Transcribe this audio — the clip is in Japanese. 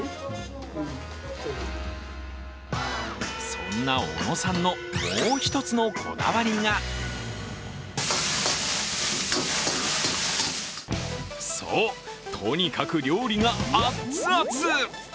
そんな小野さんのもう一つのこだわりがそう、とにかく料理がアッツアツ。